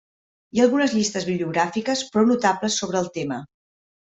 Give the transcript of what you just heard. Hi ha algunes llistes bibliogràfiques prou notables sobre el tema.